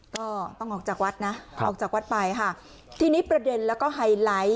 ก็ต้องออกจากวัดนะออกจากวัดไปค่ะทีนี้ประเด็นแล้วก็ไฮไลท์